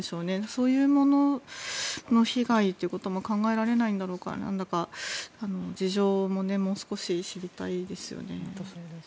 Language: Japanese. そういうものの被害というものも考えられないんだろうか事情ももう少し知りたいですよね。